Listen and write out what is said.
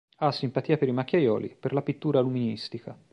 Ha simpatia per i macchiaioli, per la pittura luministica.